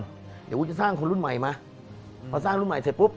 เดี๋ยวกูจะสร้างคนรุ่นใหม่มาพอสร้างรุ่นใหม่เสร็จปุ๊บ